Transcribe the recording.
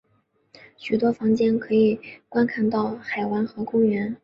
许多房间可以观看到海湾和公园。